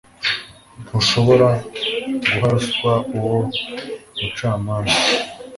ntushobora guha ruswa uwo mucamanza